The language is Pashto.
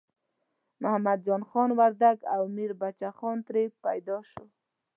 محمد جان خان وردګ او میربچه خان ترې پیدا شو.